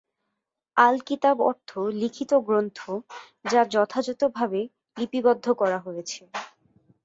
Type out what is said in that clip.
‘আল্-কিতাব’ অর্থ লিখিত গ্রন্থ যা যথাযথভাবে লিপিবদ্ধ করা হয়েছে।